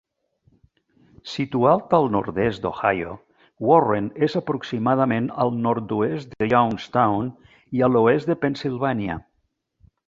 Situat al nord-est d'Ohio, Warren és aproximadament al nord-oest de Youngstown i a l'oest de Pennsilvània.